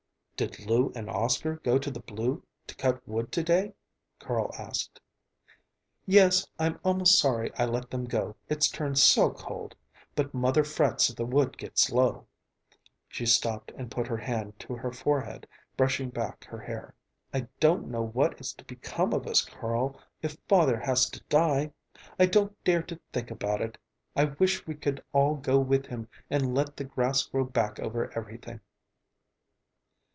"Did Lou and Oscar go to the Blue to cut wood to day?" Carl asked. "Yes. I'm almost sorry I let them go, it's turned so cold. But mother frets if the wood gets low." She stopped and put her hand to her forehead, brushing back her hair. "I don't know what is to become of us, Carl, if father has to die. I don't dare to think about it. I wish we could all go with him and let the grass grow back over everything."